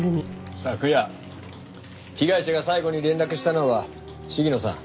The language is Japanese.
昨夜被害者が最後に連絡したのは鴫野さん